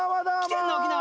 来てんの沖縄。